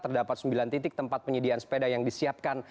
terdapat sembilan titik tempat penyediaan sepeda yang disiapkan